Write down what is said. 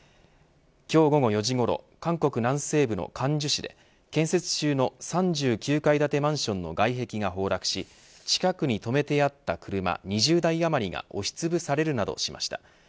今日午後４時ごろ韓国南西部の光州市で建設中の３９階建てマンションの外壁が崩落し、近くに止めてあった車２０台余りが押しつぶされるなどしました。